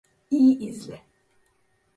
İyi izle.